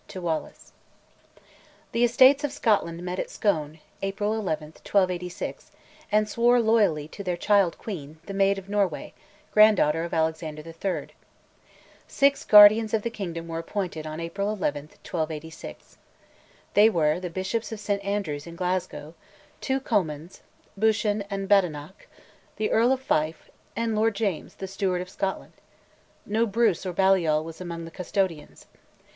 WALLACE. The Estates of Scotland met at Scone (April 11, 1286) and swore loyalty to their child queen, "the Maid of Norway," granddaughter of Alexander III. Six guardians of the kingdom were appointed on April 11, 1286. They were the Bishops of St Andrews and Glasgow, two Comyns (Buchan and Badenoch), the Earl of Fife, and Lord James, the Steward of Scotland. No Bruce or Baliol was among the Custodians.